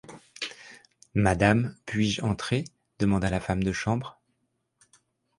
Madame, puis-je entrer ? demanda la femme de chambre.